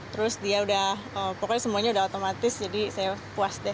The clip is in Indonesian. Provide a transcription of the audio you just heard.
pokoknya semuanya sudah otomatis jadi saya puas deh